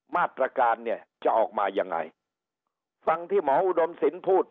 มาตรการเนี่ยจะออกมายังไงฟังที่หมออุดมศิลป์พูด